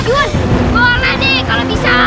juhuun keluar deh kalo bisa